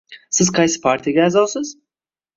Siz qaysi partiyaga a'zosiz